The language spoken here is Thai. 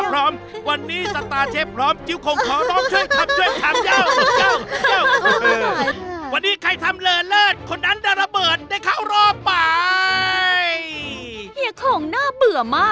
รุ่งชิ้นที่แสด้งหน้าม่ำ